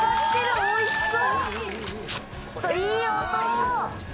おいしそう！